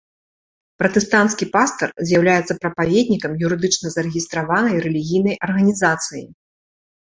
Пратэстанцкі пастар з'яўляецца прапаведнікам юрыдычна зарэгістраванай рэлігійнай арганізацыі.